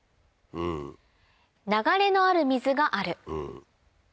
流れのある水がある。